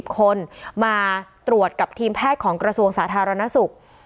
คนมาตรวจกับทีมแพทย์ของกระทรวงสาธารณสุข